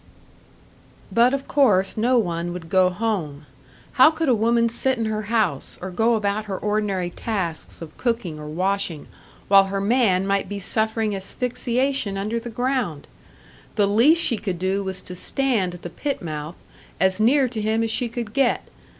But of course no one would go home. How could a woman sit in her house, or go about her ordinary tasks of cooking or washing, while her man might be suffering asphyxiation under the ground? The least she could do was to stand at the pit mouth as near to him as she could get!